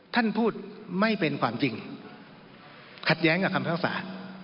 ท่านพูดไม่เป็นความจริงขัดแย้งกับคำพิพากษา